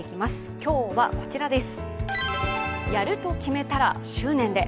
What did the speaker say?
今日はこちらです。